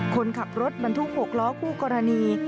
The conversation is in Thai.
คนขับรถบรรทุก๖ล้อคู่กรณี